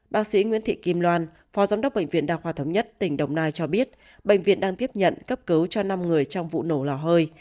bác sĩ nguyễn thị kim loan phó giám đốc bệnh viện đa khoa thống nhất tỉnh đồng nai cho biết bệnh viện đang tiếp nhận cấp cứu cho năm người trong vụ nổ lò hơi